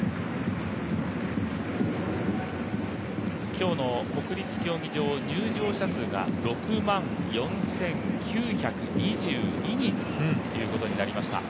今日の国立競技場、入場者数が６万４９２２人ということになりました